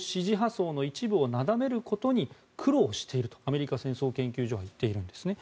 層の一部をなだめることに苦労しているとアメリカ戦争研究所が言ってるんですね。